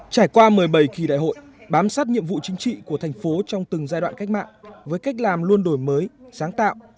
trải qua một mươi bảy kỳ đại hội bám sát nhiệm vụ chính trị của thành phố trong từng giai đoạn cách mạng với cách làm luôn đổi mới sáng tạo